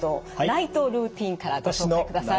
ナイトルーティンからご紹介ください。